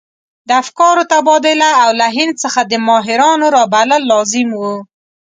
د افکارو تبادله او له هند څخه د ماهرانو رابلل لازم وو.